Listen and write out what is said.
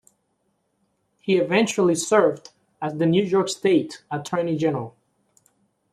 He eventually served as the New York State Attorney General.